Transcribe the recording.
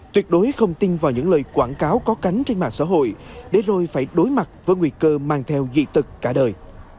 tuyệt đối không tin vào những lời quảng cáo có cánh trên mạng xã hội để rồi phải đối mặt với nguy cơ mang theo dị tật cả đời